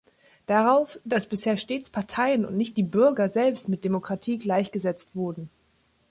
Darauf, dass bisher stets Parteien und nicht die Bürger selbst mit Demokratie gleichgesetzt wurden.